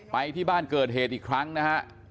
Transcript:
ไปที่บ้านเกิดเหตุอีกครั้งนะฮะ